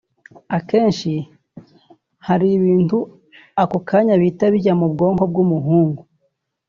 akenshi hari ibintu ako kanya bihita bijya mu bwonko bw’umuhungu